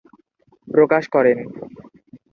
প্রকাশ করেন।